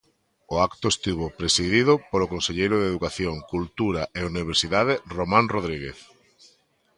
O acto estivo presidido polo conselleiro de Educación, Cultura e Universidade Román Rodríguez.